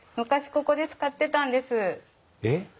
えっ？